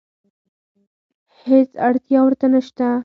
هېڅ اړتیا ورته نشته.